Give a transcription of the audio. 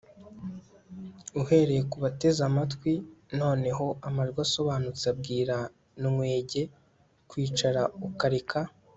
uhereye kubateze amatwi. noneho amajwi asobanutse abwira nwege kwicara ukareka